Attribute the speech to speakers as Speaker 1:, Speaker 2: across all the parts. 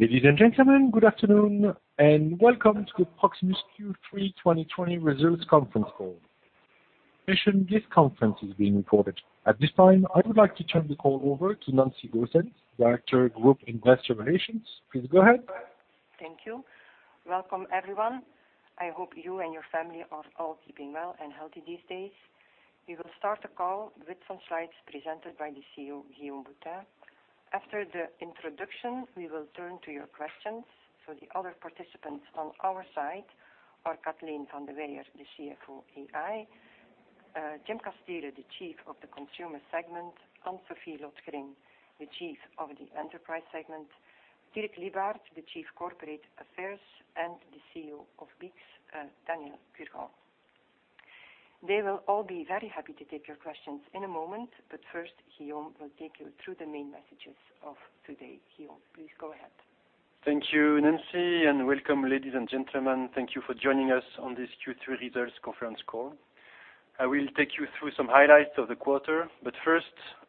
Speaker 1: Ladies and gentlemen, good afternoon, welcome to the Proximus Q3 2020 Results Conference Call. At this time, I would like to turn the call over to Nancy Goossens, Director, Group Investor Relations. Please go ahead.
Speaker 2: Thank you. Welcome everyone. I hope you and your family are all keeping well and healthy these days. We will start the call with some slides presented by the CEO, Guillaume Boutin. The other participants on our side are Katleen Vandeweyer, the CFO AI, Jim Casteele, the Chief of the Consumer segment, Anne-Sophie Lotgering, the Chief of the Enterprise segment, Dirk Lybaert, the Chief Corporate Affairs, and the CEO of BICS, Daniel Kurgan. They will all be very happy to take your questions in a moment, but first, Guillaume will take you through the main messages of today. Guillaume, please go ahead.
Speaker 3: Thank you, Nancy, and welcome, ladies and gentlemen. Thank you for joining us on this Q3 results conference call. I will take you through some highlights of the quarter, but first,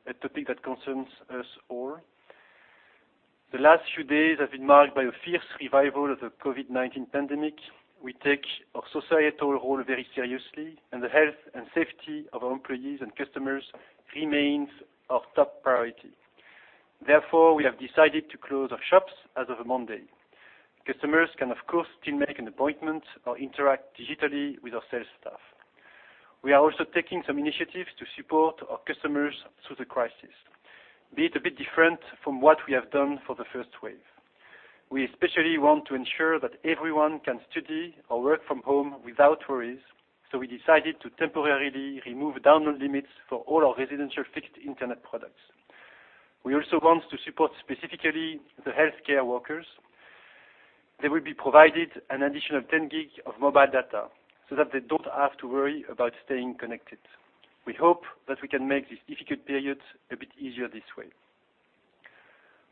Speaker 3: a topic that concerns us all. The last few days have been marked by a fierce revival of the COVID-19 pandemic. We take our societal role very seriously, and the health and safety of our employees and customers remains our top priority. Therefore, we have decided to close our shops as of Monday. Customers can, of course, still make an appointment or interact digitally with our sales staff. We are also taking some initiatives to support our customers through the crisis, be it a bit different from what we have done for the first wave. We especially want to ensure that everyone can study or work from home without worries, so we decided to temporarily remove download limits for all our residential fixed internet products. We also want to support specifically the healthcare workers. They will be provided an additional 10 GB of mobile data so that they don't have to worry about staying connected. We hope that we can make this difficult period a bit easier this way.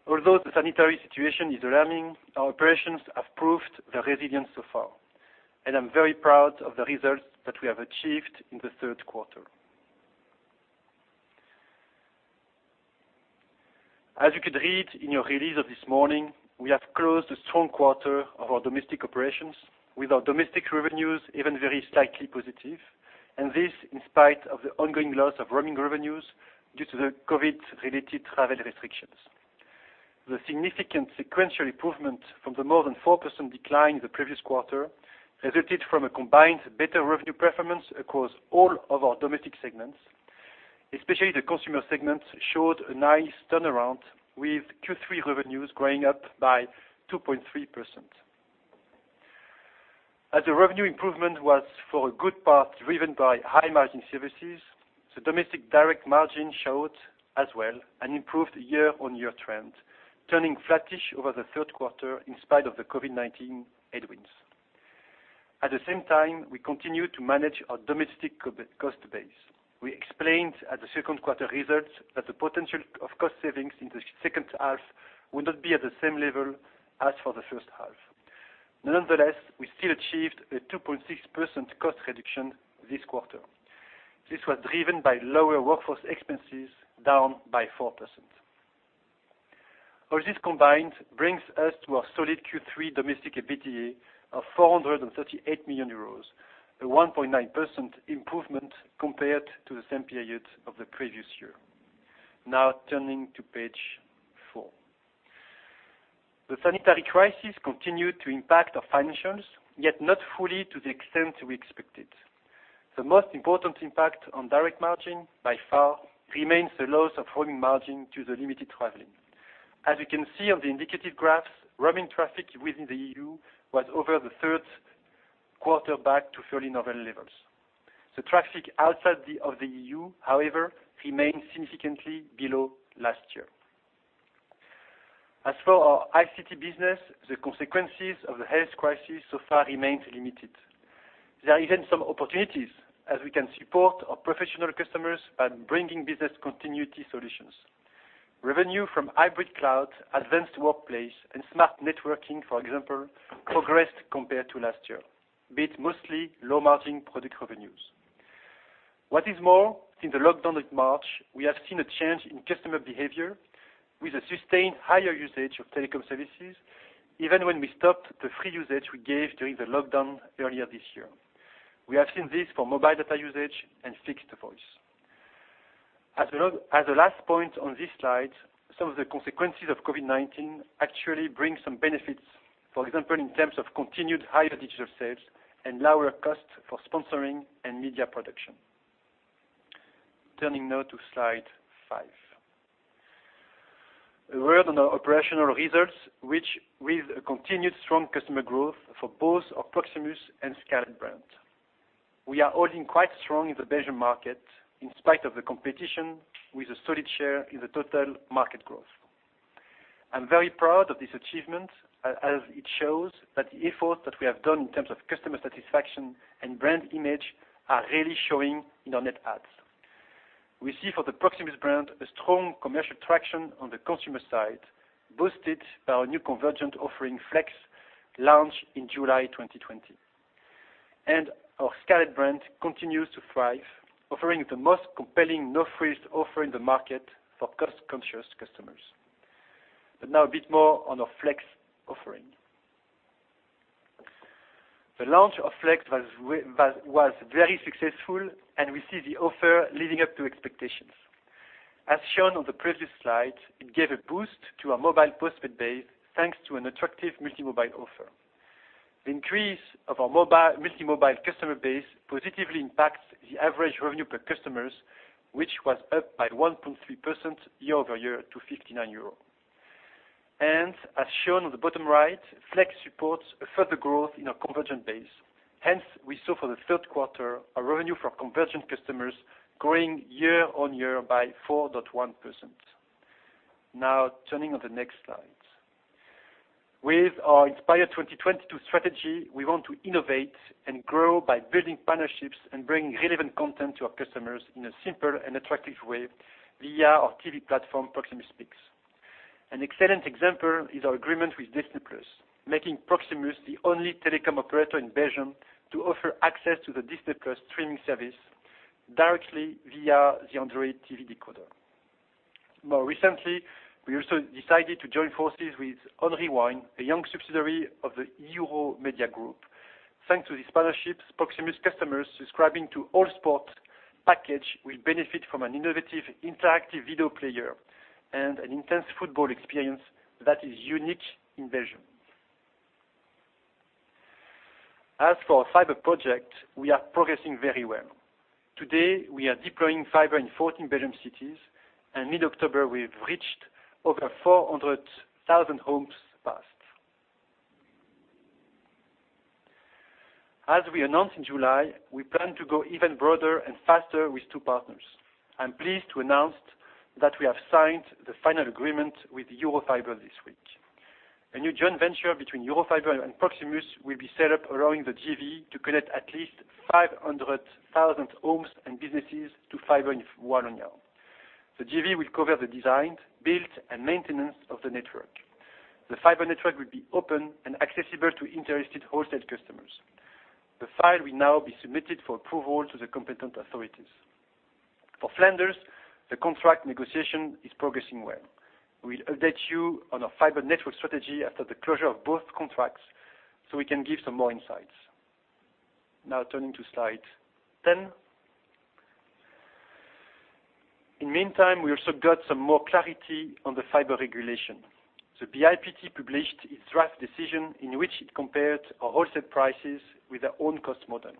Speaker 3: Although the sanitary situation is alarming, our operations have proved their resilience so far, and I'm very proud of the results that we have achieved in the third quarter. As you could read in your release of this morning, we have closed a strong quarter of our domestic operations with our domestic revenues even very slightly positive, and this in spite of the ongoing loss of roaming revenues due to the COVID-related travel restrictions. The significant sequential improvement from the more than 4% decline in the previous quarter resulted from a combined better revenue performance across all of our domestic segments. Especially the consumer segment showed a nice turnaround, with Q3 revenues growing up by 2.3%. As the revenue improvement was for a good part driven by high-margin services, the domestic direct margin showed as well an improved year-over-year trend, turning flattish over the third quarter in spite of the COVID-19 headwinds. At the same time, we continued to manage our domestic cost base. We explained at the second quarter results that the potential of cost savings in the second half would not be at the same level as for the first half. Nonetheless, we still achieved a 2.6% cost reduction this quarter. This was driven by lower workforce expenses, down by 4%. All this combined brings us to our solid Q3 domestic EBITDA of 438 million euros, a 1.9% improvement compared to the same period of the previous year. Now turning to page four. The sanitary crisis continued to impact our financials, yet not fully to the extent we expected. The most important impact on direct margin by far remains the loss of roaming margin due to the limited traveling. As you can see on the indicative graphs, roaming traffic within the EU was over the third quarter back to fairly normal levels. The traffic outside of the EU, however, remains significantly below last year. As for our ICT business, the consequences of the health crisis so far remains limited. There are even some opportunities, as we can support our professional customers by bringing business continuity solutions. Revenue from hybrid cloud, advanced workplace, and smart networking, for example, progressed compared to last year. Be it mostly low-margin product revenues. What is more, since the lockdown in March, we have seen a change in customer behavior with a sustained higher usage of telecom services, even when we stopped the free usage we gave during the lockdown earlier this year. We have seen this for mobile data usage and fixed voice. As a last point on this slide, some of the consequences of COVID-19 actually bring some benefits. For example, in terms of continued higher digital sales and lower costs for sponsoring and media production. Turning now to slide five. A word on our operational results, which with a continued strong customer growth for both our Proximus and Scarlet brands. We are holding quite strong in the Belgian market in spite of the competition with a solid share in the total market growth. I'm very proud of this achievement, as it shows that the efforts that we have done in terms of customer satisfaction and brand image are really showing in our net adds. We see for the Proximus brand a strong commercial traction on the consumer side, boosted by our new convergent offering, Flex, launched in July 2020. Our Scarlet brand continues to thrive, offering the most compelling no-frills offer in the market for cost-conscious customers. Now a bit more on our Flex offering. The launch of Flex was very successful, and we see the offer living up to expectations. As shown on the previous slide, it gave a boost to our mobile postpaid base, thanks to an attractive multi-SIM offer. The increase of our multi-SIM customer base positively impacts the average revenue per customer, which was up by 1.3% year-over-year to 59 euro. As shown on the bottom right, Flex supports a further growth in our convergent base. Hence, we saw for the third quarter our revenue from convergent customers growing year-on-year by 4.1%. Now, turning on the next slide. With our Inspire 2022 strategy, we want to innovate and grow by building partnerships and bringing relevant content to our customers in a simple and attractive way via our TV platform, Proximus Pickx. An excellent example is our agreement with Disney+, making Proximus the only telecom operator in Belgium to offer access to the Disney+ streaming service directly via the Android TV decoder. More recently, we also decided to join forces with On Rewind, a young subsidiary of the Euro Media Group. Thanks to this partnership, Proximus customers subscribing to all sports package will benefit from an innovative interactive video player and an intense football experience that is unique in Belgium. As for our fiber project, we are progressing very well. Today, we are deploying fiber in 14 Belgian cities, and mid-October, we've reached over 400,000 homes passed. As we announced in July, we plan to go even broader and faster with two partners. I'm pleased to announce that we have signed the final agreement with Eurofiber this week. A new joint venture between Eurofiber and Proximus will be set up, allowing the JV to connect at least 500,000 homes and businesses to fiber in Wallonia. The JV will cover the design, build, and maintenance of the network. The fiber network will be open and accessible to interested wholesale customers. The file will now be submitted for approval to the competent authorities. For Flanders, the contract negotiation is progressing well. We'll update you on our fiber network strategy after the closure of both contracts so we can give some more insights. Turning to slide 10. In the meantime, we also got some more clarity on the fiber regulation. The BIPT published its draft decision in which it compared our wholesale prices with their own cost model.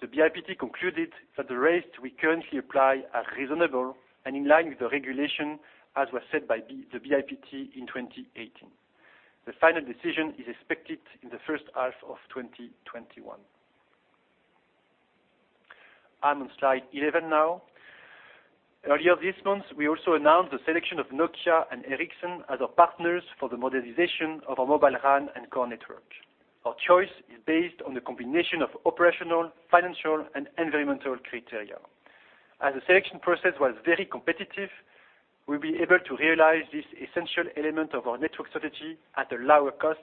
Speaker 3: The BIPT concluded that the rates we currently apply are reasonable and in line with the regulation as was set by the BIPT in 2018. The final decision is expected in the first half of 2021. I'm on slide 11 now. Earlier this month, we also announced the selection of Nokia and Ericsson as our partners for the modernization of our mobile RAN and core network. Our choice is based on the combination of operational, financial, and environmental criteria. The selection process was very competitive, we'll be able to realize this essential element of our network strategy at a lower cost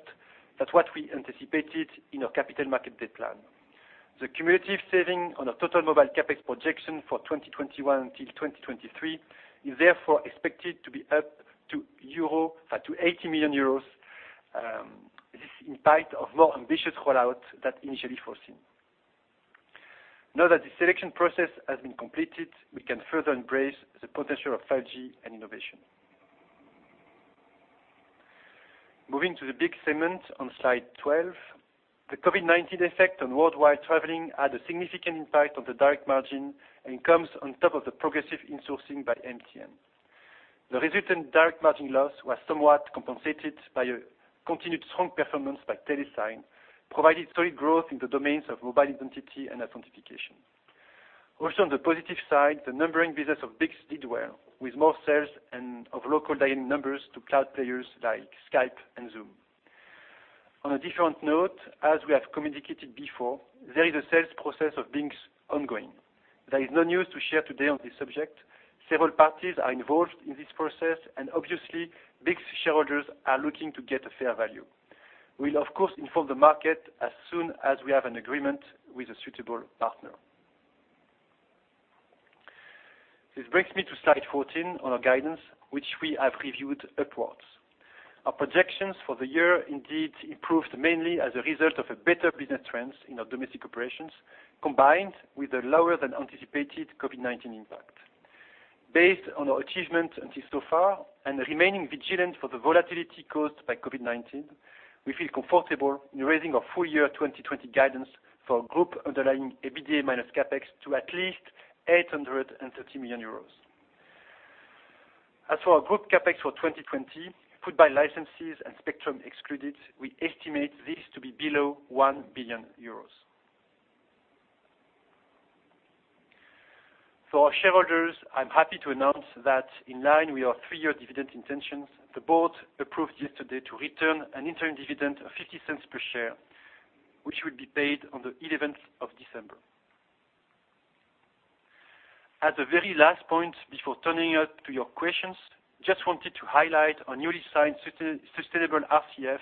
Speaker 3: than what we anticipated in our Capital Markets Day plan. The cumulative saving on our total mobile CapEx projection for 2021 till 2023 is therefore expected to be up to 80 million euros. This in spite of more ambitious rollout than initially foreseen. Now that the selection process has been completed, we can further embrace the potential of 5G and innovation. Moving to the BICS segment on slide 12. The COVID-19 effect on worldwide traveling had a significant impact on the direct margin and comes on top of the progressive insourcing by MTN. The resultant direct margin loss was somewhat compensated by a continued strong performance by TeleSign, providing solid growth in the domains of mobile identity and authentication. Also on the positive side, the numbering business of BICS did well, with more sales and of local dialing numbers to cloud players like Skype and Zoom. On a different note, as we have communicated before, there is a sales process of BICS ongoing. There is no news to share today on this subject. Several parties are involved in this process, and obviously, BICS shareholders are looking to get a fair value. We'll, of course, inform the market as soon as we have an agreement with a suitable partner. This brings me to slide 14 on our guidance, which we have reviewed upwards. Our projections for the year indeed improved mainly as a result of a better business trends in our domestic operations, combined with a lower than anticipated COVID-19 impact. Based on our achievement until so far and remaining vigilant for the volatility caused by COVID-19, we feel comfortable in raising our full year 2020 guidance for group underlying EBITDA minus CapEx to at least 830 million euros. As for our group CapEx for 2020, put by licenses and spectrum excluded, we estimate this to be below 1 billion euros. For our shareholders, I'm happy to announce that in line with our three-year dividend intentions, the board approved yesterday to return an interim dividend of 0.50 per share, which will be paid on the 11th of December. At the very last point before turning it to your questions, just wanted to highlight our newly signed sustainable RCF.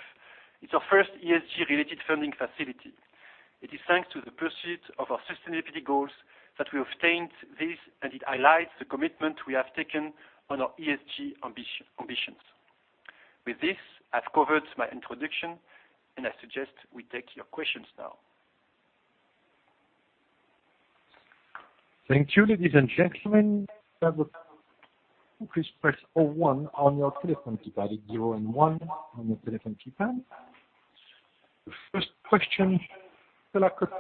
Speaker 3: It's our first ESG related funding facility. It is thanks to the pursuit of our sustainability goals that we obtained this. It highlights the commitment we have taken on our ESG ambitions. With this, I've covered my introduction. I suggest we take your questions now.
Speaker 1: Thank you, ladies and gentlemen. The first question. [inaudible]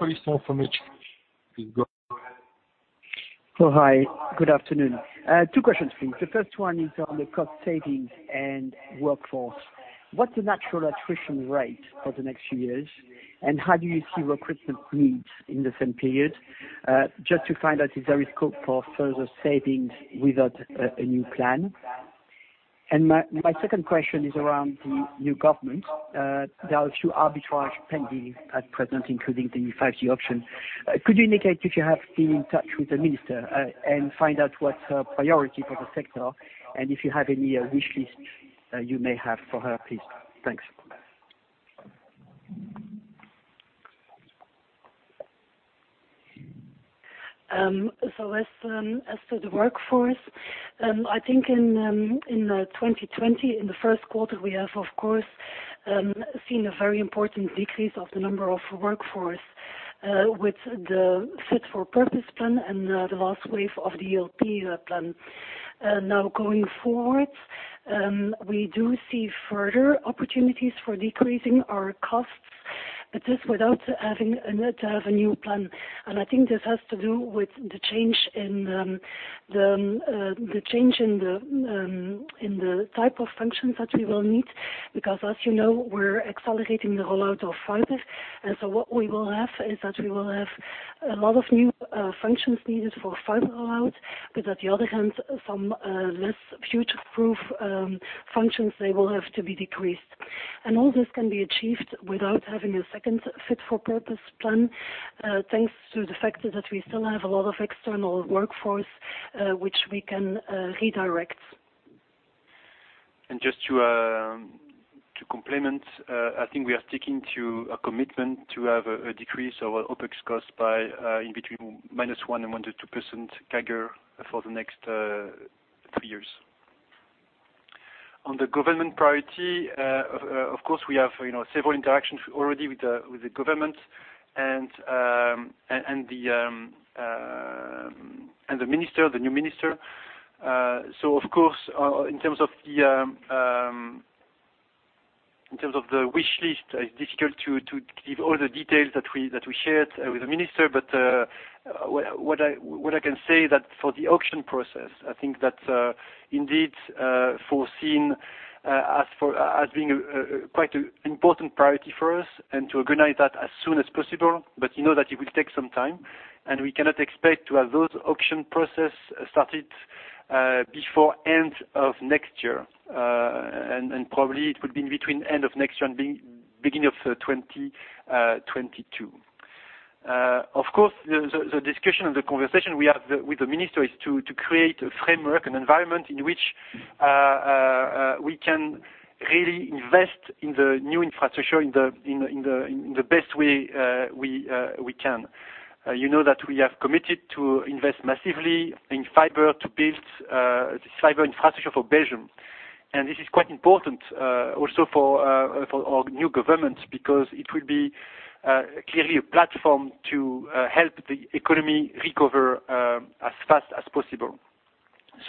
Speaker 1: Please go ahead.
Speaker 4: Hi, good afternoon. Two questions, please. The first one is on the cost savings and workforce. What's the natural attrition rate for the next few years, and how do you see recruitment needs in the same period? Just to find out if there is scope for further savings without a new plan. My second question is around the new government. There are a few arbitrage pending at present, including the new 5G auction. Could you indicate if you have been in touch with the minister and find out what's her priority for the sector and if you have any wish list you may have for her, please? Thanks.
Speaker 5: As to the workforce, I think in 2020, in the first quarter, we have, of course, seen a very important decrease of the number of workforce, with the Fit for Purpose plan and the last wave of the LP plan. Going forward, we do see further opportunities for decreasing our costs, but this without having to have a new plan. I think this has to do with the change in the type of functions that we will need, because as you know, we're accelerating the rollout of fiber. What we will have is that we will have a lot of new functions needed for fiber rollout, but at the other hand, some less future-proof functions, they will have to be decreased. All this can be achieved without having a second Fit for Purpose plan, thanks to the fact that we still have a lot of external workforce, which we can redirect.
Speaker 3: Just to complement, I think we are sticking to a commitment to have a decrease of our OPEX cost by in between minus one and one to 2% CAGR for the next three years. On the government priority, of course, we have several interactions already with the government and the new minister. Of course, in terms of the wish list, it's difficult to give all the details that we shared with the minister. What I can say that for the auction process, I think that indeed, foreseen as being quite an important priority for us and to organize that as soon as possible. You know that it will take some time, and we cannot expect to have those auction process started before end of next year. Probably it would be in between end of next year and beginning of 2022. Of course, the discussion and the conversation we have with the minister is to create a framework and environment in which we can really invest in the new infrastructure in the best way we can. You know that we have committed to invest massively in fiber to build this fiber infrastructure for Belgium. This is quite important, also for our new government, because it will be clearly a platform to help the economy recover as fast as possible.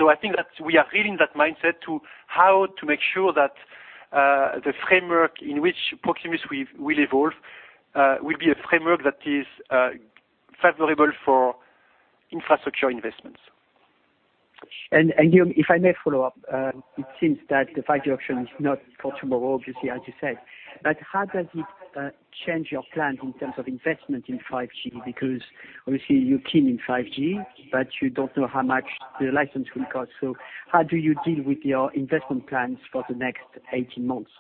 Speaker 3: I think that we are really in that mindset to how to make sure that the framework in which Proximus will evolve will be a framework that is favorable for infrastructure investments.
Speaker 4: Guillaume, if I may follow up, it seems that the 5G auction is not for tomorrow, obviously, as you said. How does it change your plan in terms of investment in 5G? Obviously you're keen in 5G, but you don't know how much the license will cost. How do you deal with your investment plans for the next 18 months?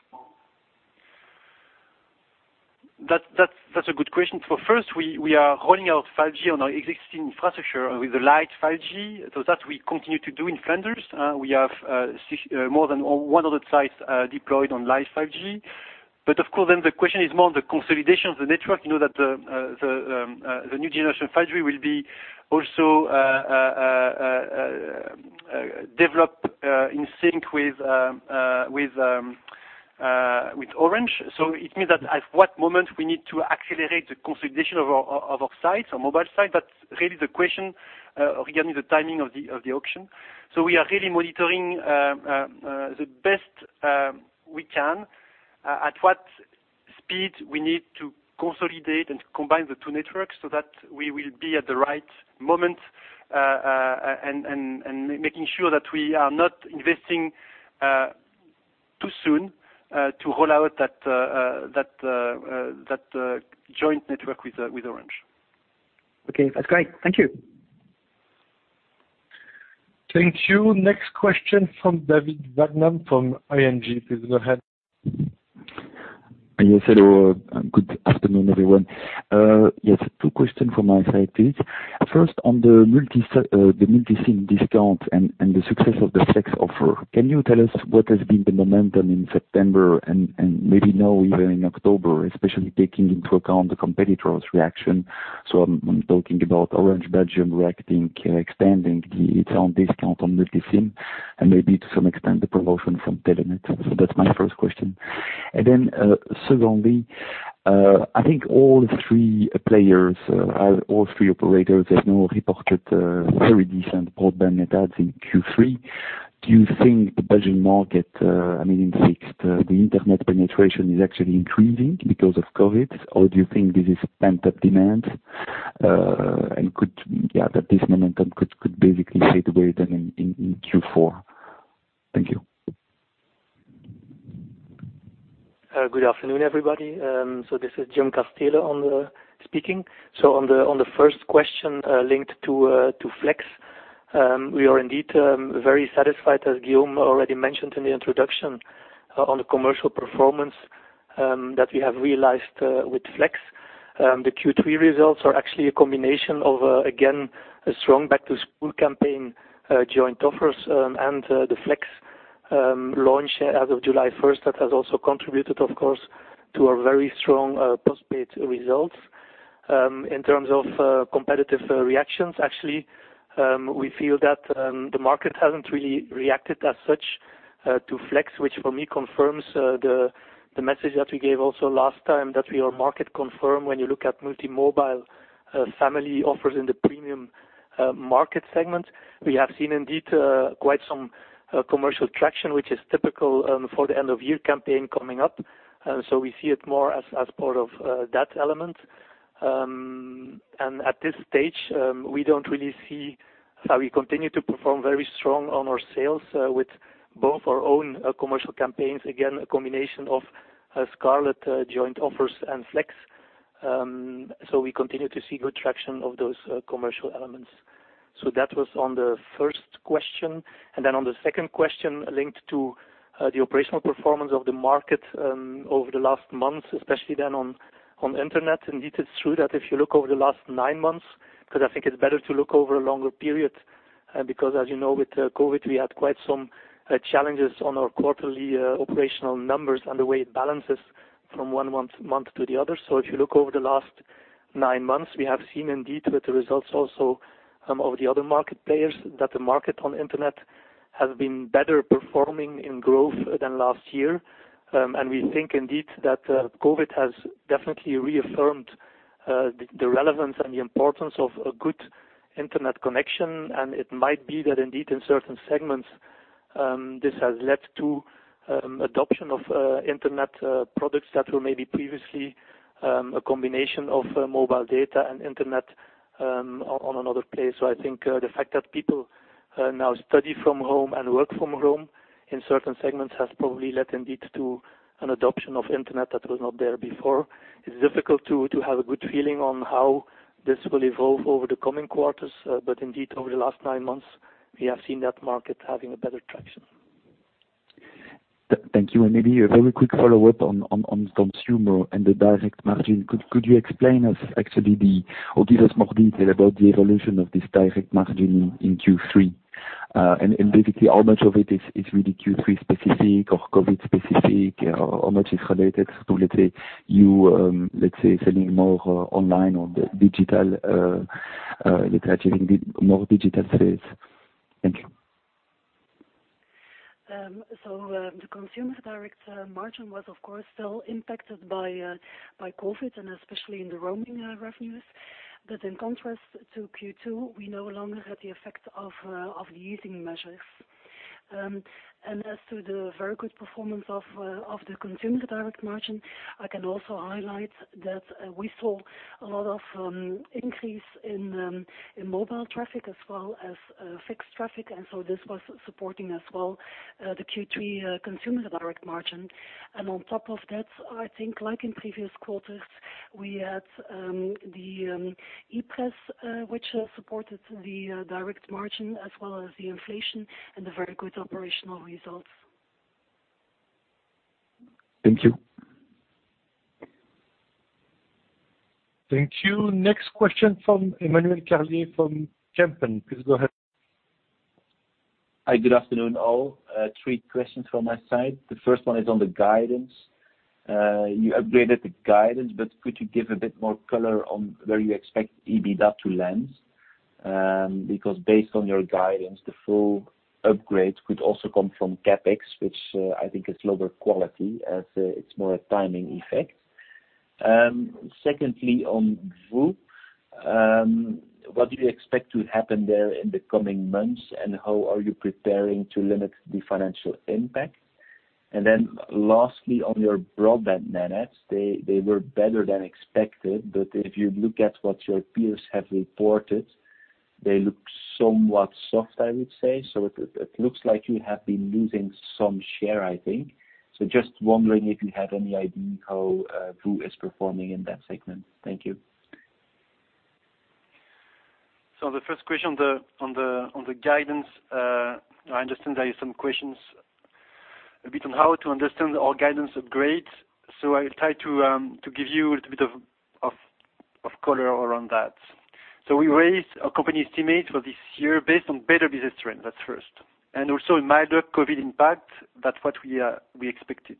Speaker 3: That's a good question. First, we are rolling out 5G on our existing infrastructure with the Lite 5G. That we continue to do in Flanders. We have more than 100 sites deployed on Lite 5G. Of course, then the question is more on the consolidation of the network. You know that the new generation of 5G will be also develop in sync with Orange. It means that at what moment we need to accelerate the consolidation of our sites, our mobile sites. That's really the question regarding the timing of the auction. We are really monitoring the best we can, at what speed we need to consolidate and combine the two networks so that we will be at the right moment, and making sure that we are not investing too soon to roll out that joint network with Orange.
Speaker 4: Okay. That's great. Thank you.
Speaker 1: Thank you. Next question from David Vagman from ING. Please go ahead.
Speaker 6: Yes, hello. Good afternoon, everyone. Yes, two questions from my side, please. First, on the multi-SIM discount and the success of the Flex offer. Can you tell us what has been the momentum in September and maybe now even in October, especially taking into account the competitors' reaction? I'm talking about Orange Belgium reacting, expanding its own discount on multi-SIM and maybe to some extent the promotion from Telenet. That's my first question. Secondly, I think all three players, all three operators have now reported very decent broadband net adds in Q3. Do you think the Belgian market, I mean, in fixed, the internet penetration is actually increasing because of COVID? Or do you think this is pent-up demand? Could this momentum could basically fade away then in Q4? Thank you.
Speaker 7: Good afternoon, everybody. This is Jim Casteele speaking. On the first question, linked to Flex. We are indeed, very satisfied, as Guillaume already mentioned in the introduction, on the commercial performance that we have realized with Flex. The Q3 results are actually a combination of, again, a strong back-to-school campaign, joint offers, and the Flex launch as of July 1st. That has also contributed, of course, to our very strong postpaid results. In terms of competitive reactions, actually, we feel that the market hasn't really reacted as such to Flex, which for me confirms the message that we gave also last time that we are market confirmed when you look at multi-mobile family offers in the premium market segment. We have seen indeed, quite some commercial traction, which is typical for the end-of-year campaign coming up. We see it more as part of that element. At this stage, we don't really see how we continue to perform very strong on our sales with both our own commercial campaigns. Again, a combination of Scarlet joint offers and Flex. We continue to see good traction of those commercial elements. That was on the first question. On the second question linked to the operational performance of the market over the last months, especially then on internet. Indeed, it's true that if you look over the last nine months, because I think it's better to look over a longer period, because as you know, with COVID-19, we had quite some challenges on our quarterly operational numbers and the way it balances from one month to the other. If you look over the last nine months, we have seen indeed with the results also of the other market players, that the market on internet has been better performing in growth than last year. We think indeed that COVID has definitely reaffirmed the relevance and the importance of a good internet connection, and it might be that indeed in certain segments, this has led to adoption of internet products that were maybe previously a combination of mobile data and internet on another place. I think the fact that people now study from home and work from home in certain segments has probably led indeed to an adoption of internet that was not there before. It's difficult to have a good feeling on how this will evolve over the coming quarters. Indeed, over the last nine months, we have seen that market having a better traction.
Speaker 6: Thank you. Maybe a very quick follow-up on consumer and the direct margin. Could you explain us actually or give us more detail about the evolution of this direct margin in Q3? Basically, how much of it is really Q3 specific or COVID specific? How much is related to, let's say, you selling more online on the digital, like achieving more digital sales. Thank you.
Speaker 5: The consumer direct margin was of course still impacted by COVID and especially in the roaming revenues. In contrast to Q2, we no longer had the effect of the easing measures. As to the very good performance of the consumer direct margin, I can also highlight that we saw a lot of increase in mobile traffic as well as fixed traffic, this was supporting as well the Q3 consumer direct margin. On top of that, I think like in previous quarters, we had the e-Press which supported the direct margin as well as the inflation and the very good operational results.
Speaker 6: Thank you.
Speaker 1: Thank you. Next question from Emmanuel Carlier from Kempen. Please go ahead.
Speaker 8: Hi, good afternoon, all. Three questions from my side. The first one is on the guidance. You upgraded the guidance, could you give a bit more color on where you expect EBITDA to land? Because based on your guidance, the full upgrade could also come from CapEx, which I think is lower quality as it's more a timing effect. Secondly, on VOO. What do you expect to happen there in the coming months, how are you preparing to limit the financial impact? Lastly, on your broadband net adds. They were better than expected, if you look at what your peers have reported, they look somewhat soft, I would say. It looks like you have been losing some share, I think. Just wondering if you have any idea how VOO is performing in that segment. Thank you.
Speaker 3: The first question on the guidance, I understand there is some questions a bit on how to understand our guidance upgrades. I will try to give you a little bit of color around that. We raised our company estimate for this year based on better business trends, that's first. Also a minor COVID impact, that's what we expected.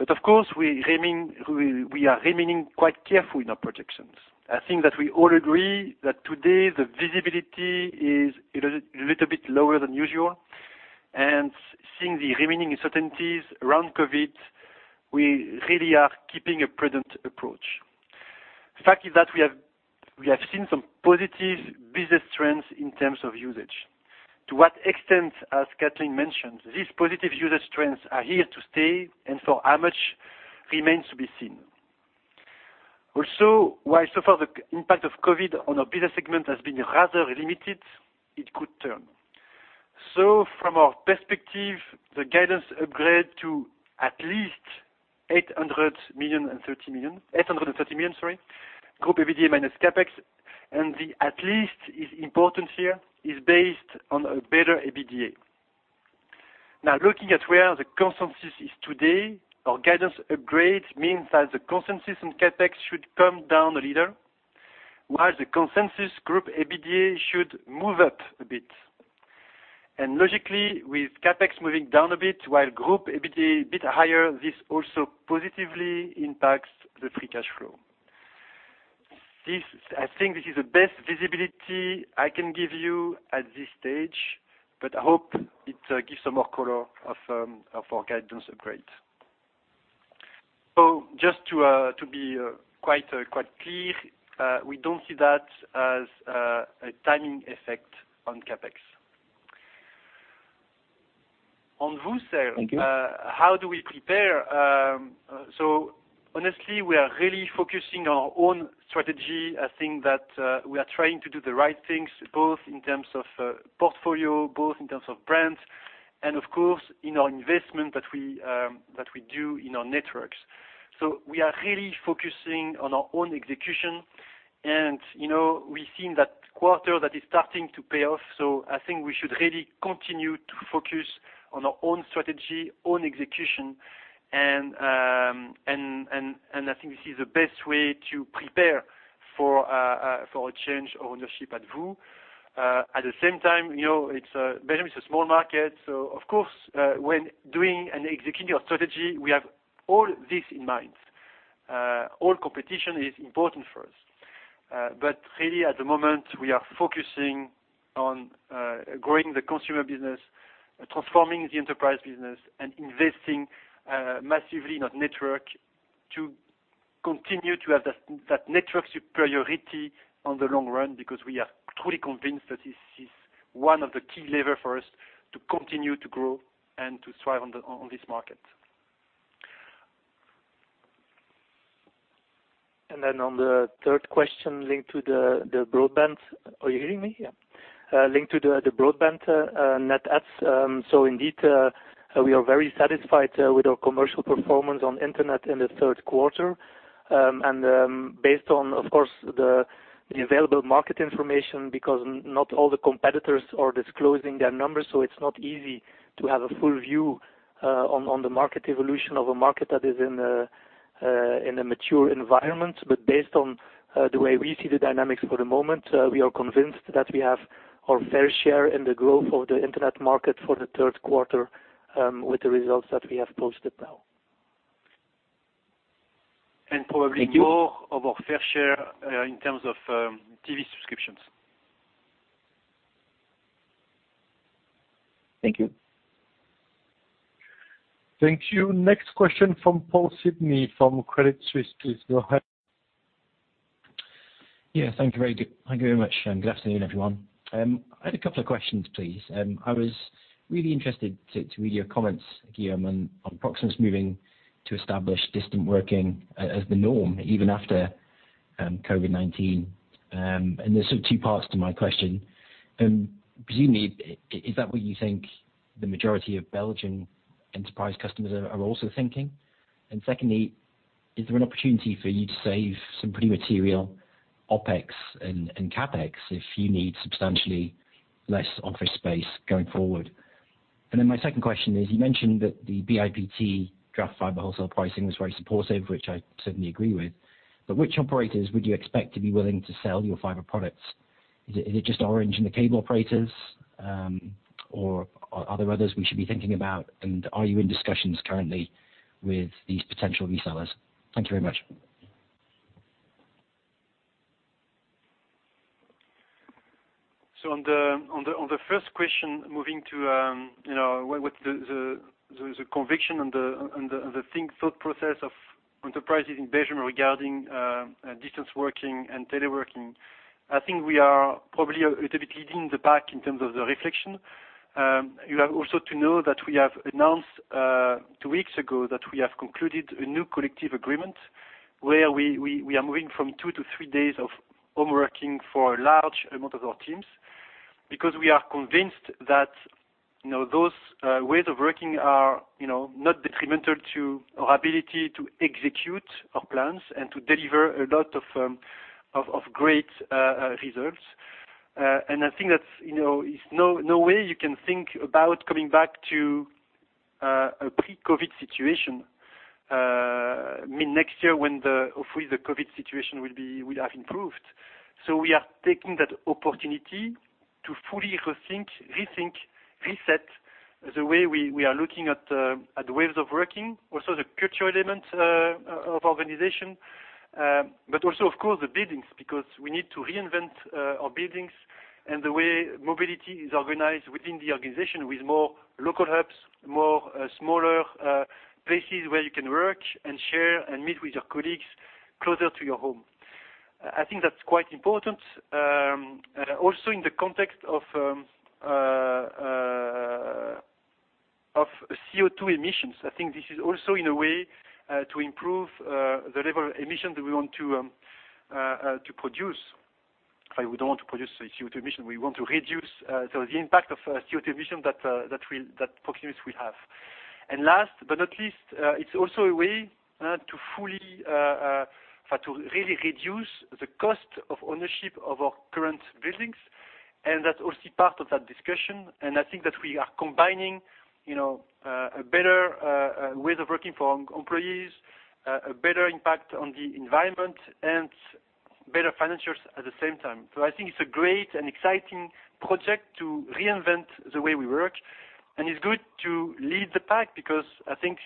Speaker 3: Of course, we are remaining quite careful in our projections. I think that we all agree that today the visibility is a little bit lower than usual. Seeing the remaining uncertainties around COVID, we really are keeping a prudent approach. The fact is that we have seen some positive business trends in terms of usage. To what extent, as Katleen mentioned, these positive usage trends are here to stay and for how much remains to be seen. While so far the impact of COVID on our business segment has been rather limited, it could turn. From our perspective, the guidance upgrade to at least 830 million group EBITDA minus CapEx, and the at least is important here, is based on a better EBITDA. Looking at where the consensus is today, our guidance upgrades means that the consensus on CapEx should come down a little, while the consensus group EBITDA should move up a bit. Logically, with CapEx moving down a bit while group EBITDA a bit higher, this also positively impacts the free cash flow. I think this is the best visibility I can give you at this stage, but I hope it gives some more color of our guidance upgrade. Just to be quite clear, we don't see that as a timing effect on CapEx. On VOO sale-
Speaker 7: Thank you.
Speaker 3: how do we prepare? Honestly, we are really focusing our own strategy. I think that we are trying to do the right things, both in terms of portfolio, both in terms of brands, and of course, in our investment that we do in our networks. We are really focusing on our own execution, and we've seen that quarter that is starting to pay off. I think we should really continue to focus on our own strategy, own execution, and I think this is the best way to prepare for a change of ownership at VOO. At the same time, Belgium is a small market. Of course, when doing and executing our strategy, we have all this in mind. All competition is important for us. Really at the moment, we are focusing on growing the consumer business, transforming the enterprise business, and investing massively in our network to continue to have that network superiority on the long run, because we are truly convinced that this is one of the key lever for us to continue to grow and to thrive on this market.
Speaker 7: On the third question linked to the broadband. Are you hearing me? Yeah. Linked to the broadband net adds. Indeed, we are very satisfied with our commercial performance on internet in the third quarter. Based on, of course, the available market information, because not all the competitors are disclosing their numbers, so it is not easy to have a full view on the market evolution of a market that is in a mature environment. Based on the way we see the dynamics for the moment, we are convinced that we have our fair share in the growth of the internet market for the third quarter with the results that we have posted now.
Speaker 3: Probably more of our fair share in terms of TV subscriptions.
Speaker 7: Thank you.
Speaker 1: Thank you. Next question from Paul Sidney from Credit Suisse. Please go ahead.
Speaker 9: Yeah. Thank you very much, and good afternoon, everyone. I had a couple of questions, please. I was really interested to read your comments, Guillaume, on Proximus moving to establish distant working as the norm even after COVID-19. There's two parts to my question. Presumably, is that what you think the majority of Belgian enterprise customers are also thinking? Secondly, is there an opportunity for you to save some pretty material OPEX and CapEx if you need substantially less office space going forward? My second question is, you mentioned that the BIPT draft fiber wholesale pricing was very supportive, which I certainly agree with. Which operators would you expect to be willing to sell your fiber products? Is it just Orange and the cable operators? Are there others we should be thinking about? Are you in discussions currently with these potential resellers? Thank you very much.
Speaker 3: On the first question, moving to the conviction and the thought process of enterprises in Belgium regarding distance working and teleworking. I think we are probably a little bit leading the pack in terms of the reflection. You have also to know that we have announced two weeks ago that we have concluded a new collective agreement where we are moving from two to three days of home working for a large amount of our teams. Because we are convinced that those ways of working are not detrimental to our ability to execute our plans and to deliver a lot of great results. I think that, it's no way you can think about coming back to a pre-COVID situation. Next year when hopefully the COVID situation will have improved. We are taking that opportunity to fully rethink, reset the way we are looking at the ways of working, also the cultural element of organization. Also of course the buildings, because we need to reinvent our buildings and the way mobility is organized within the organization with more local hubs, more smaller places where you can work and share and meet with your colleagues closer to your home. I think that's quite important. In the context of CO2 emissions. This is also in a way to improve the level of emissions that we want to produce. We don't want to produce CO2 emission. We want to reduce the impact of CO2 emission that Proximus will have. Last but not least, it's also a way to really reduce the cost of ownership of our current buildings, and that's also part of that discussion. I think that we are combining a better way of working for employees, a better impact on the environment, and better financials at the same time. I think it's a great and exciting project to reinvent the way we work. It's good to lead the pack because I think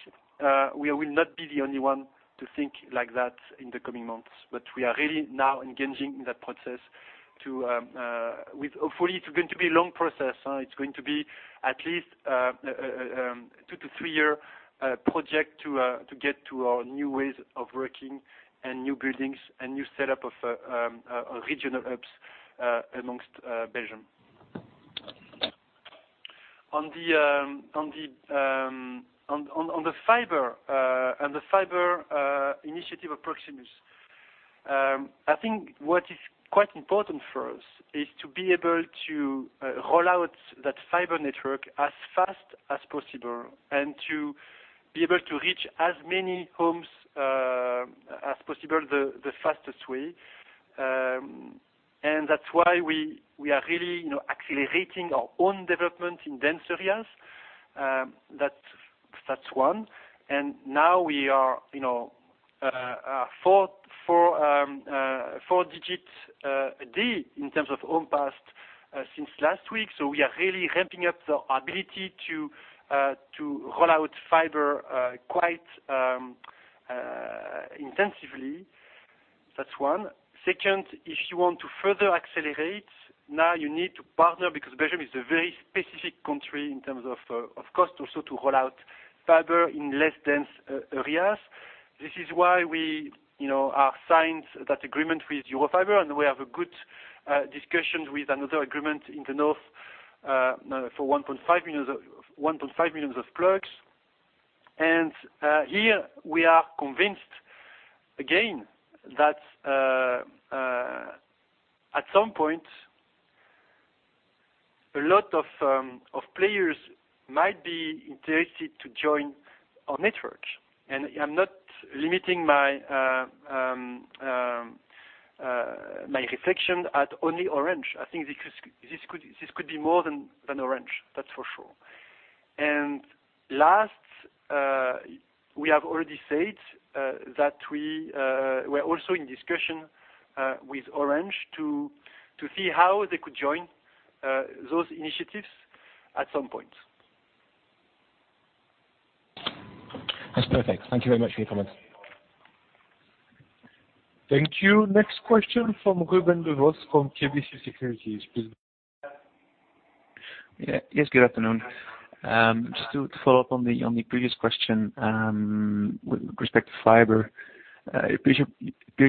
Speaker 3: we will not be the only one to think like that in the coming months. We are really now engaging in that process. Hopefully, it's going to be a long process. It's going to be at least a two to three-year project to get to our new ways of working and new buildings and new setup of regional hubs amongst Belgium. On the fiber initiative of Proximus. I think what is quite important for us is to be able to roll out that fiber network as fast as possible and to be able to reach as many homes as possible the fastest way. That's why we are really accelerating our own development in dense areas. That's one. Now we are four digits a day in terms of home passed since last week. We are really ramping up the ability to roll out fiber quite intensively. That's one. Second, if you want to further accelerate, now you need to partner because Belgium is a very specific country in terms of cost also to roll out fiber in less dense areas. This is why we have signed that agreement with Eurofiber, and we have a good discussion with another agreement in the north for 1.5 million of plugs. Here, we are convinced again that at some point, a lot of players might be interested to join our network. I'm not limiting my reflection at only Orange. I think this could be more than Orange. That's for sure. Last, we have already said that we're also in discussion with Orange to see how they could join those initiatives at some point.
Speaker 9: That's perfect. Thank you very much for your comments.
Speaker 1: Thank you. Next question from Ruben Devos from KBC Securities. Please.
Speaker 10: Yes. Good afternoon. Just to follow up on the previous question with respect to fiber. It appears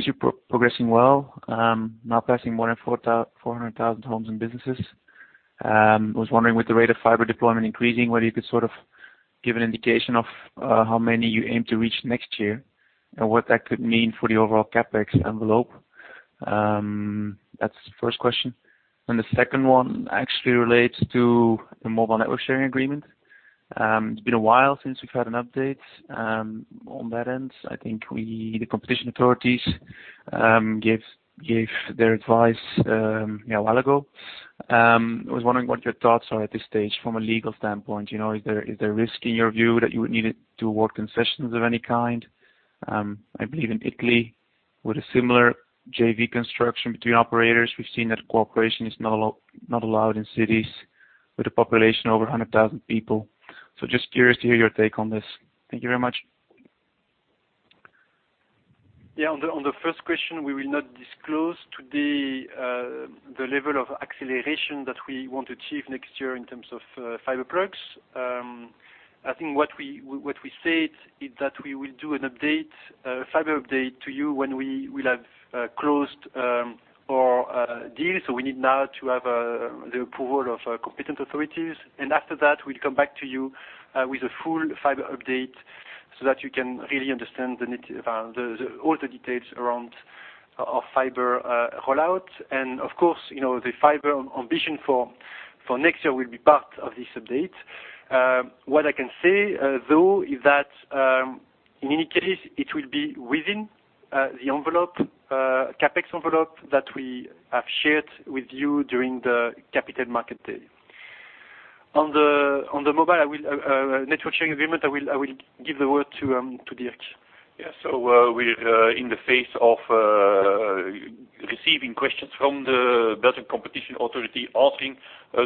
Speaker 10: you're progressing well. Now passing more than 400,000 homes and businesses. I was wondering with the rate of fiber deployment increasing, whether you could sort of give an indication of how many you aim to reach next year and what that could mean for the overall CapEx envelope. That's the first question. The second one actually relates to the mobile network sharing agreement. It's been a while since we've had an update. On that end, I think the competition authorities gave their advice a while ago. I was wondering what your thoughts are at this stage from a legal standpoint. Is there a risk in your view that you would need to award concessions of any kind? I believe in Italy, with a similar JV construction between operators, we've seen that cooperation is not allowed in cities with a population over 100,000 people. Just curious to hear your take on this. Thank you very much.
Speaker 3: Yeah. On the first question, we will not disclose today the level of acceleration that we want to achieve next year in terms of fiber plugs. I think what we said is that we will do a fiber update to you when we will have closed our deal. We need now to have the approval of competent authorities. After that, we'll come back to you with a full fiber update. That you can really understand all the details around our fiber rollout. Of course, the fiber ambition for next year will be part of this update. What I can say, though, is that in any case, it will be within the CapEx envelope that we have shared with you during the Capital Markets Day. On the mobile network sharing agreement, I will give the word to Dirk.
Speaker 11: Yes. We're in the phase of receiving questions from the Belgian Competition Authority. Answering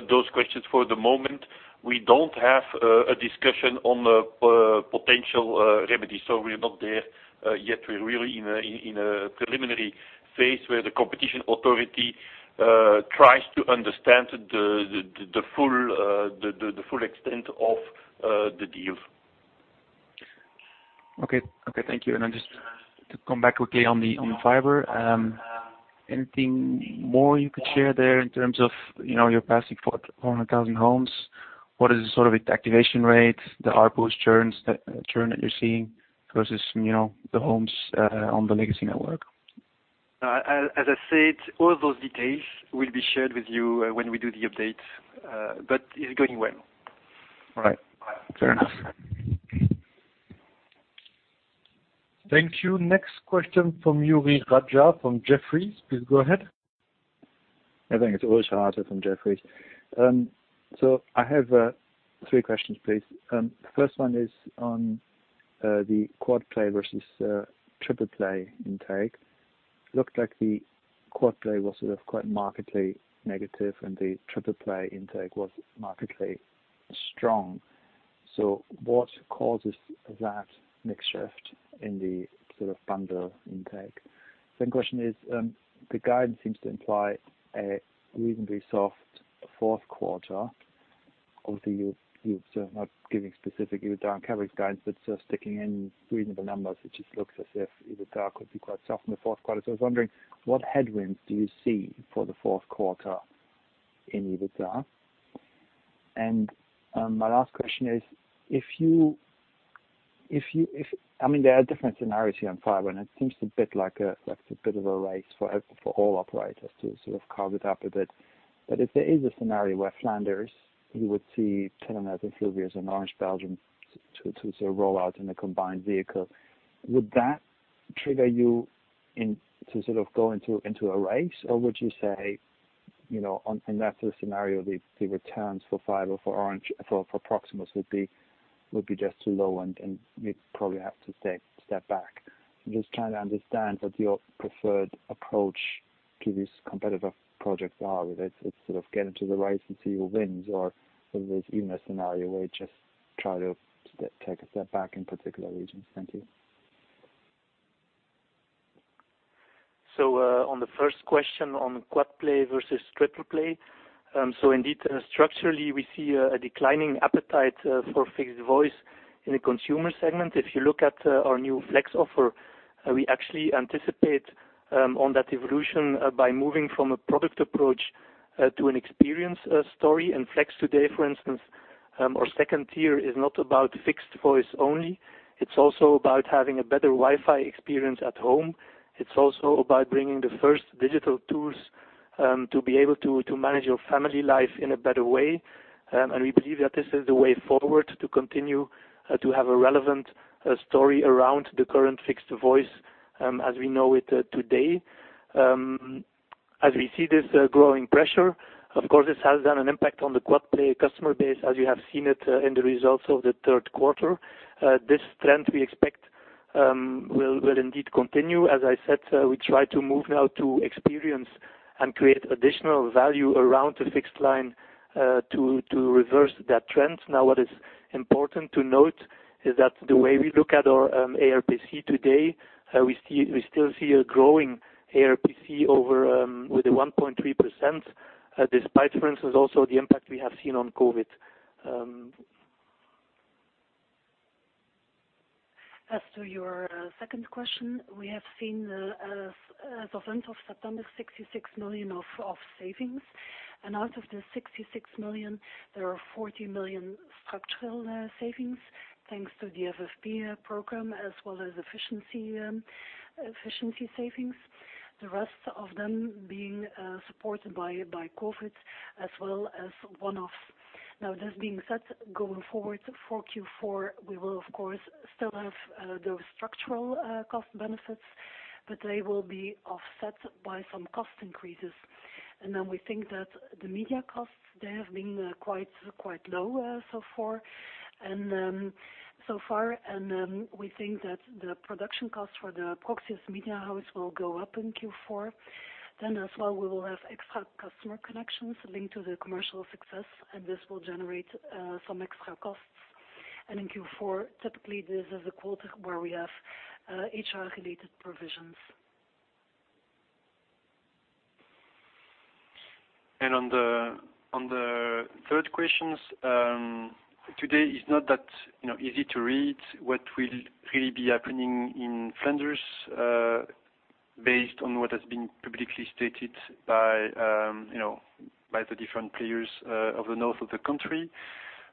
Speaker 11: those questions for the moment, we don't have a discussion on the potential remedy. We're not there yet. We're really in a preliminary phase where the competition authority tries to understand the full extent of the deal.
Speaker 10: Okay. Thank you. Just to come back quickly on the fiber. Anything more you could share there in terms of your passing 400,000 homes? What is the activation rate, the ARPU churn that you're seeing versus the homes on the legacy network?
Speaker 7: As I said, all those details will be shared with you when we do the update. It's going well.
Speaker 10: All right. Fair enough.
Speaker 1: Thank you. Next question from Uri Gadja from Jefferies. Please go ahead.
Speaker 12: Hi, thanks. It's Ulrich Rathe from Jefferies. I have three questions, please. The first one is on the quad play versus triple play intake. Looked like the quad play was sort of quite markedly negative, and the triple play intake was markedly strong. What causes that mix shift in the bundle intake? Second question is, the guidance seems to imply a reasonably soft fourth quarter. Obviously, you're not giving specific EBITDA coverage guidance, but sticking in reasonable numbers, it just looks as if EBITDA could be quite soft in the fourth quarter. I was wondering, what headwinds do you see for the fourth quarter in EBITDA? My last question is, there are different scenarios here on fiber, and it seems like a bit of a race for all operators to carve it up a bit. If there is a scenario where Flanders, you would see Telenet, Elivio, and Orange Belgium to roll out in a combined vehicle. Would that trigger you to go into a race? Would you say, in that scenario, the returns for fiber for Proximus would be just too low and we'd probably have to step back. I'm just trying to understand what your preferred approach to these competitive projects are. Whether it's get into the race and see who wins, or is there even a scenario where you just try to take a step back in particular regions? Thank you.
Speaker 7: On the first question on quad play versus triple play. Indeed, structurally, we see a declining appetite for fixed voice in the consumer segment. If you look at our new Flex offer, we actually anticipate on that evolution by moving from a product approach to an experience story. Flex today, for instance, our second tier is not about fixed voice only. It's also about having a better Wi-Fi experience at home. It's also about bringing the first digital tools to be able to manage your family life in a better way. We believe that this is the way forward to continue to have a relevant story around the current fixed voice as we know it today. As we see this growing pressure, of course, this has an impact on the quad play customer base as you have seen it in the results of the third quarter. This trend, we expect, will indeed continue. As I said, we try to move now to experience and create additional value around the fixed line to reverse that trend. Now, what is important to note is that the way we look at our ARPC today, we still see a growing ARPC with the 1.3%, despite, for instance, also the impact we have seen on COVID.
Speaker 5: As to your second question, we have seen, as of end of September, 66 million of savings. Out of the 66 million, there are 40 million structural savings, thanks to the FFP program as well as efficiency savings. The rest of them being supported by COVID as well as one-off. This being said, going forward for Q4, we will of course still have those structural cost benefits, but they will be offset by some cost increases. We think that the media costs, they have been quite low so far. We think that the production cost for the Proximus Media House will go up in Q4. As well, we will have extra customer connections linked to the commercial success, and this will generate some extra costs. In Q4, typically, this is a quarter where we have HR-related provisions.
Speaker 7: On the third question, today is not that easy to read what will really be happening in Flanders. Based on what has been publicly stated by the different players of the north of the country.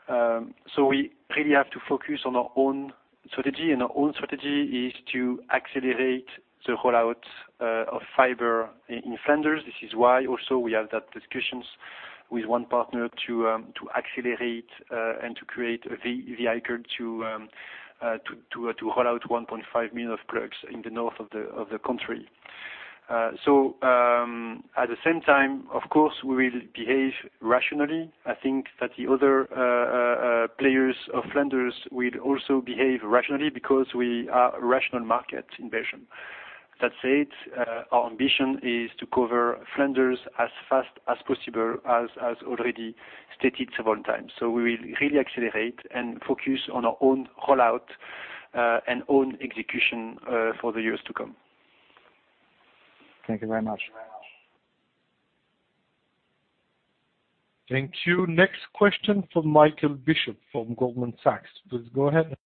Speaker 7: We really have to focus on our own strategy, and our own strategy is to accelerate the rollout of fiber in Flanders. This is why also we have had discussions with one partner to accelerate and to create a vehicle to roll out 1.5 million plugs in the north of the country. At the same time, of course, we will behave rationally. I think that the other players of Flanders will also behave rationally because we are a rational market in Belgium. That said, our ambition is to cover Flanders as fast as possible as already stated several times. We will really accelerate and focus on our own rollout and own execution for the years to come.
Speaker 12: Thank you very much.
Speaker 1: Thank you. Next question from Michael Bishop from Goldman Sachs. Please go ahead.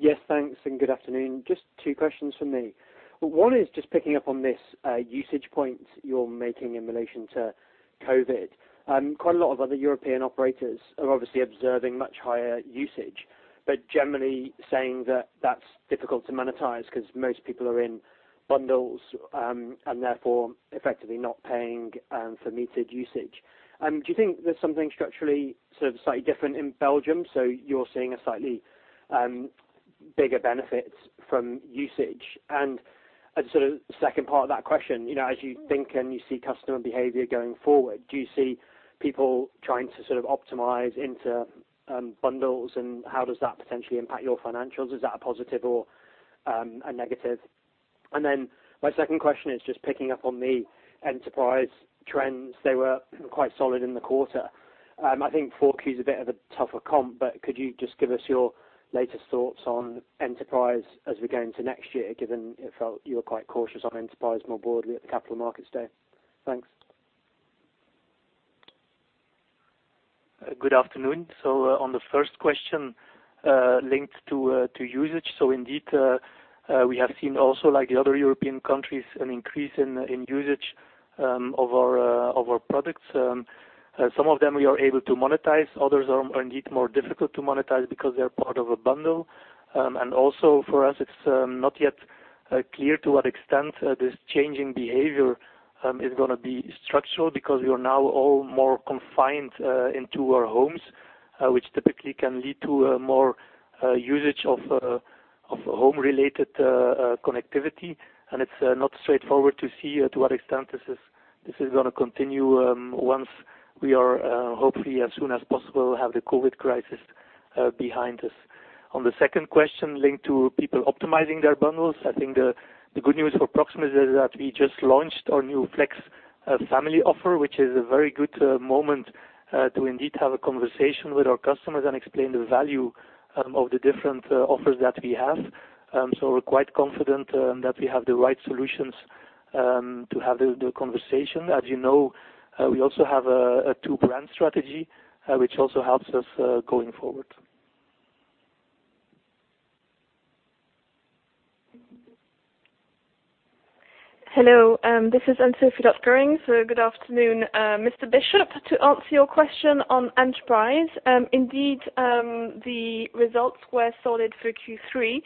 Speaker 13: Yes, thanks, and good afternoon. Just two questions from me. One is just picking up on this usage point you're making in relation to COVID-19. Quite a lot of other European operators are obviously observing much higher usage, but generally saying that that's difficult to monetize because most people are in bundles, and therefore effectively not paying for metered usage. Do you think there's something structurally sort of slightly different in Belgium, so you're seeing a slightly bigger benefit from usage? The second part of that question: As you think and you see customer behavior going forward, do you see people trying to optimize into bundles, and how does that potentially impact your financials? Is that a positive or a negative? My second question is just picking up on the enterprise trends. They were quite solid in the quarter. I think 4Q is a bit of a tougher comp, but could you just give us your latest thoughts on enterprise as we go into next year, given it felt you were quite cautious on enterprise more broadly at the Capital Markets Day? Thanks.
Speaker 7: Good afternoon. On the first question linked to usage. Indeed, we have seen also, like the other European countries, an increase in usage of our products. Some of them we are able to monetize, others are indeed more difficult to monetize because they're part of a bundle. Also for us, it's not yet clear to what extent this change in behavior is going to be structural because we are now all more confined into our homes, which typically can lead to more usage of home-related connectivity. It's not straightforward to see to what extent this is going to continue once we are, hopefully as soon as possible, have the COVID crisis behind us. On the second question, linked to people optimizing their bundles. I think the good news for Proximus is that we just launched our new Flex family offer, which is a very good moment to indeed have a conversation with our customers and explain the value of the different offers that we have. We're quite confident that we have the right solutions to have the conversation. As you know, we also have a two-brand strategy, which also helps us going forward.
Speaker 14: Hello. This is Anne-Sophie Lotgering. Good afternoon. Mr. Bishop, to answer your question on enterprise. Indeed, the results were solid for Q3,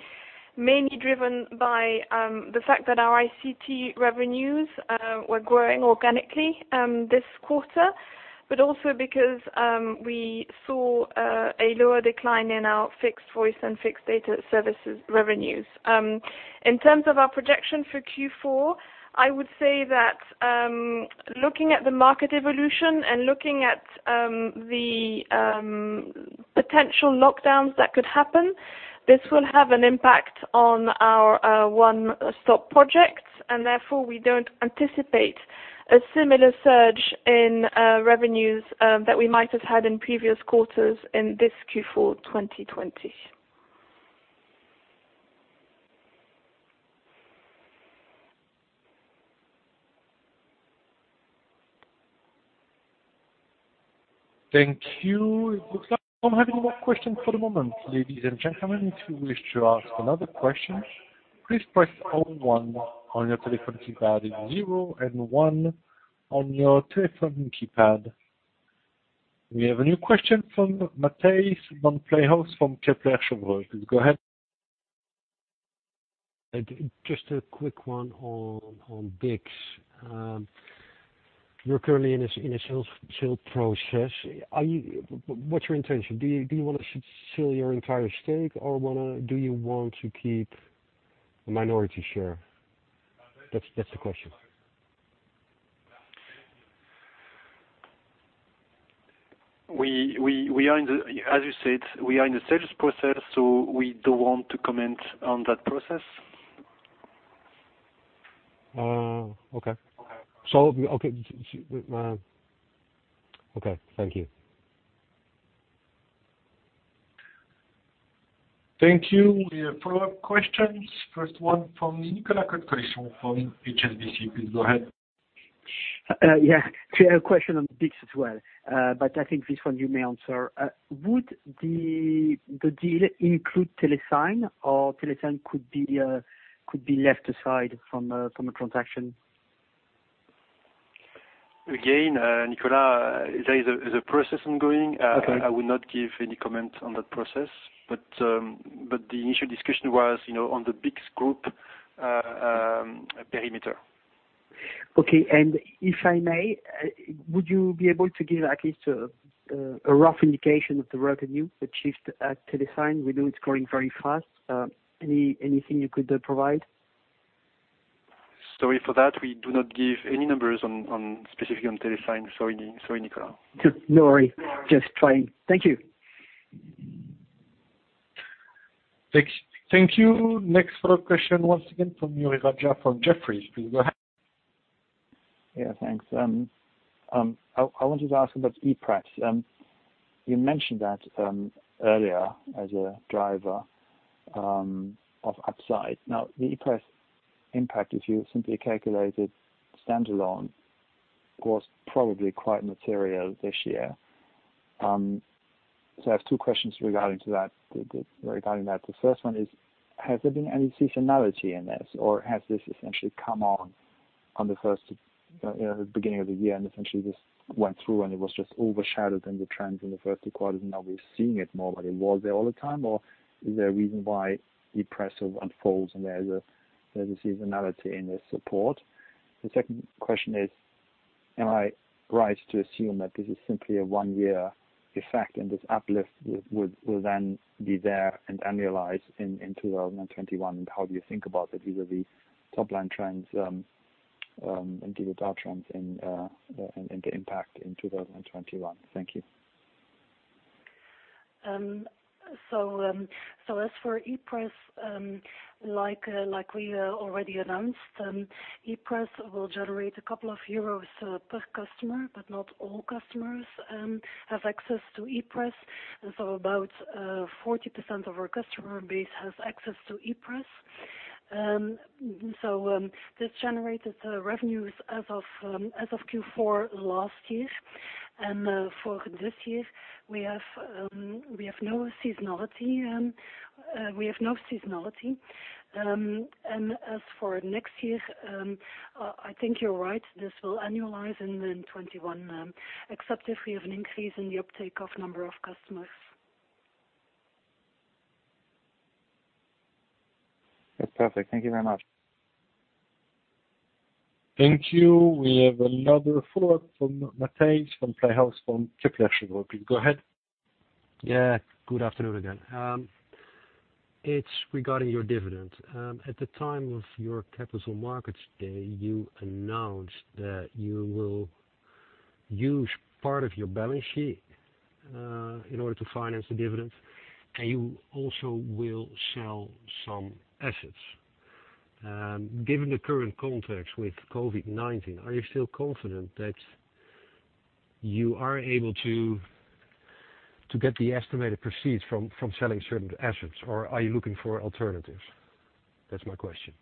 Speaker 14: mainly driven by the fact that our ICT revenues were growing organically this quarter, but also because we saw a lower decline in our fixed voice and fixed data services revenues. In terms of our projection for Q4, I would say that looking at the market evolution and looking at the potential lockdowns that could happen, this will have an impact on our one-stop projects, and therefore we don't anticipate a similar surge in revenues that we might have had in previous quarters in this Q4 2020.
Speaker 1: Thank you. It looks like I am having more questions for the moment. Ladies and gentlemen, if you wish to ask another question, please press zero one on your telephone keypad. Zero and one on your telephone keypad. We have a new question from Matteus Monplayhouse from Kepler Cheuvreux. Please go ahead.
Speaker 15: Just a quick one on BICS. You are currently in a sales process. What is your intention? Do you want to sell your entire stake, or do you want to keep a minority share? That is the question.
Speaker 7: As you said, we are in the sales process, so we don't want to comment on that process.
Speaker 15: Okay. Thank you.
Speaker 1: Thank you. We have follow-up questions. First one from Nicolas Cote-Colisson from HSBC. Please go ahead.
Speaker 4: Yeah. A question on BICS as well, but I think this one you may answer. Would the deal include TeleSign or TeleSign could be left aside from a transaction?
Speaker 16: Again, Nicolas, there is a process ongoing.
Speaker 4: Okay.
Speaker 16: I will not give any comment on that process. The initial discussion was on the BICS group perimeter.
Speaker 4: Okay. If I may, would you be able to give at least a rough indication of the revenue achieved at TeleSign? We know it's growing very fast. Anything you could provide?
Speaker 16: Sorry for that. We do not give any numbers specifically on TeleSign. Sorry, Nicolas.
Speaker 4: No worry. Just trying. Thank you.
Speaker 1: Thank you. Next follow-up question once again from Juraj from Jefferies. Please go ahead.
Speaker 12: Yeah, thanks. I wanted to ask about e-Press. You mentioned that earlier as a driver of upside. Now, the e-Press impact, if you simply calculate it standalone, was probably quite material this year. I have two questions regarding that. The first one is, has there been any seasonality in this or has this essentially come on the beginning of the year and essentially just went through and it was just overshadowed in the trends in the first quarter and now we're seeing it more, but it was there all the time? Is there a reason why e-Press unfolds and there's a seasonality in this support? The second question is, am I right to assume that this is simply a one-year effect and this uplift will then be there and annualize in 2021? How do you think about the VDV top line trends and DVT trends and the impact in 2021? Thank you.
Speaker 5: As for e-Press, like we already announced, e-Press will generate a couple of EUR per customer, but not all customers have access to e-Press. About 40% of our customer base has access to e-Press. This generated revenues as of Q4 last year. For this year, we have no seasonality. As for next year, I think you're right. This will annualize in 2021, except if we have an increase in the uptake of number of customers.
Speaker 12: That's perfect. Thank you very much.
Speaker 1: Thank you. We have another follow-up from Matthijs from Piper Sandler. Please go ahead.
Speaker 17: Yeah. Good afternoon again. It is regarding your dividend. At the time of your Capital Markets Day, you announced that you will use part of your balance sheet in order to finance the dividend, and you also will sell some assets. Given the current context with COVID-19, are you still confident that you are able to get the estimated proceeds from selling certain assets, or are you looking for alternatives? That is my question.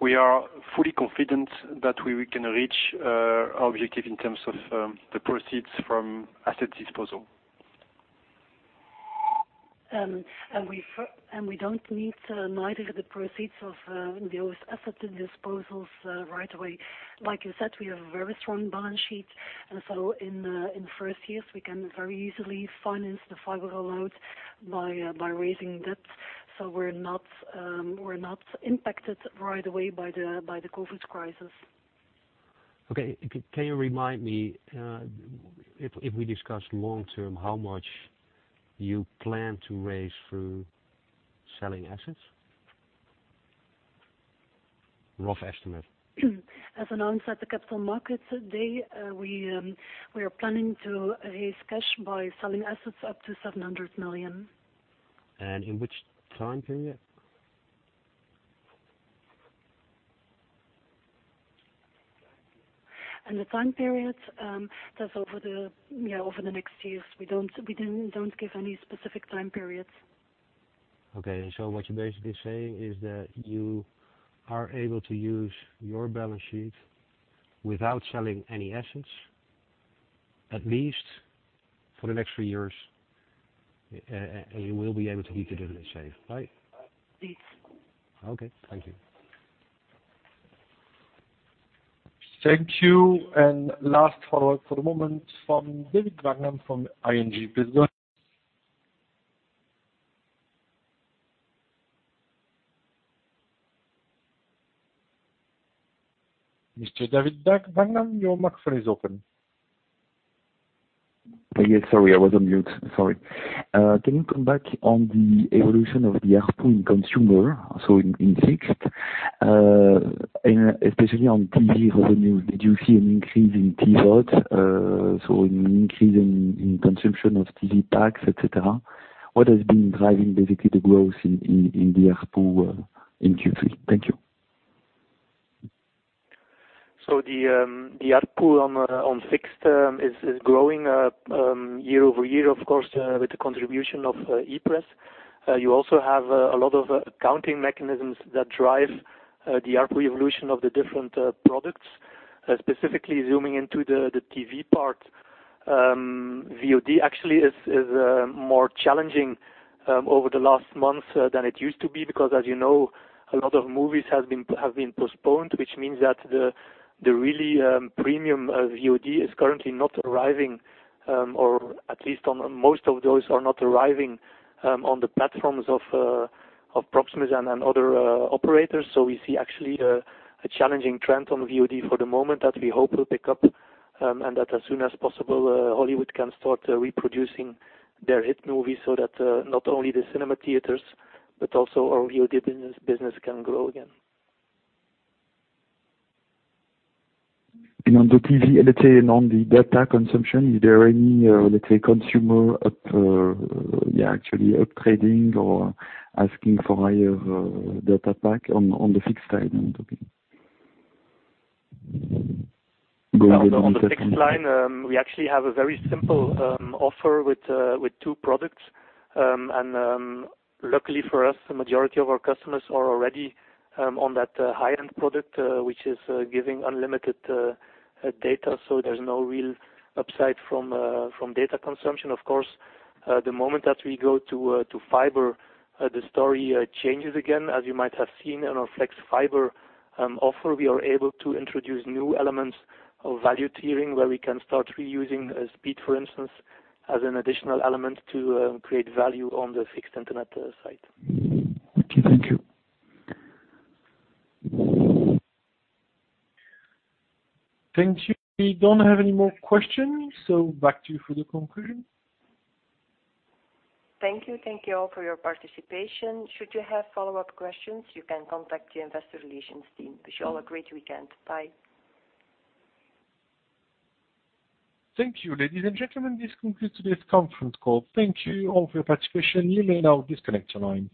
Speaker 3: We are fully confident that we can reach our objective in terms of the proceeds from asset disposal.
Speaker 5: we don't need neither the proceeds of those asset disposals right away. Like you said, we have a very strong balance sheet. in first years, we can very easily finance the EUR 500 load by raising debt. we're not impacted right away by the COVID-19 crisis.
Speaker 17: Okay. Can you remind me, if we discuss long term, how much you plan to raise through selling assets? Rough estimate.
Speaker 5: As announced at the Capital Markets Day, we are planning to raise cash by selling assets up to 700 million.
Speaker 17: In which time period?
Speaker 5: The time period, that's over the next years. We don't give any specific time periods.
Speaker 17: Okay. What you're basically saying is that you are able to use your balance sheet without selling any assets, at least for the next three years, and you will be able to keep the dividend safe, right?
Speaker 5: Yes.
Speaker 17: Okay. Thank you.
Speaker 1: Thank you. Last follow-up for the moment from David Vagman from ING. Please go ahead. Mr. David Vagman, your microphone is open.
Speaker 6: Yes, sorry, I was on mute. Sorry. Can you come back on the evolution of the ARPU in consumer, so in fixed, especially on TV revenue? Did you see an increase in TVOD, so an increase in consumption of TV packs, et cetera? What has been driving basically the growth in the ARPU in Q3? Thank you.
Speaker 7: The ARPU on fixed is growing year-over-year, of course, with the contribution of e-Press. You also have a lot of accounting mechanisms that drive the ARPU evolution of the different products. Specifically zooming into the TV part. VOD actually is more challenging over the last month than it used to be, because as you know, a lot of movies have been postponed, which means that the really premium of VOD is currently not arriving, or at least most of those are not arriving on the platforms of Proximus and other operators. We see actually a challenging trend on VOD for the moment that we hope will pick up, and that as soon as possible, Hollywood can start reproducing their hit movies so that not only the cinema theaters but also our VOD business can grow again.
Speaker 6: On the TV, let's say on the data consumption, is there any, let's say consumer up trading or asking for higher data pack on the fixed side?
Speaker 7: On the fixed line, we actually have a very simple offer with two products. Luckily for us, the majority of our customers are already on that high-end product, which is giving unlimited data, so there's no real upside from data consumption. Of course, the moment that we go to fiber, the story changes again. As you might have seen on our Flex fiber offer, we are able to introduce new elements of value tiering, where we can start reusing speed, for instance, as an additional element to create value on the fixed internet site.
Speaker 6: Okay. Thank you.
Speaker 1: Thank you. We don't have any more questions, so back to you for the conclusion.
Speaker 2: Thank you. Thank you all for your participation. Should you have follow-up questions, you can contact the investor relations team. Wish you all a great weekend. Bye.
Speaker 1: Thank you, ladies and gentlemen. This concludes today's conference call. Thank you all for your participation. You may now disconnect your lines.